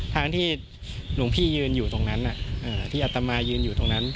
ทางที่หลวงพี่ยืนอยู่ตรงนั้นที่อัตมายืนอยู่ตรงนั้น